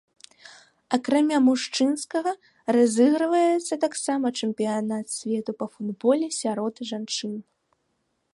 Акрамя мужчынскага, разыгрываецца таксама чэмпіянат свету па футболе сярод жанчын.